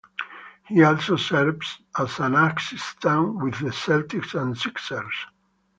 He also served as an assistant with the Celtics and Sixers.